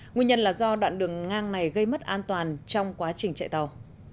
nguyên nhân là do đoạn đường ngang này gây mất an toàn trong quá trình chạy tàu